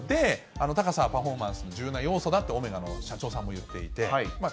高さ、パフォーマンスの重要な要素だとオメガの社長さんも言っていて。